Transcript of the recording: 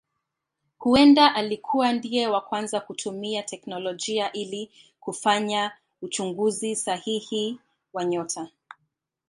Huenda alikuwa ndiye wa kwanza kutumia teknolojia ili kufanya uchunguzi sahihi wa nyota.